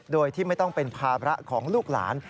โดยที่ไม่ต้องเป็นภาระของลูกหลาน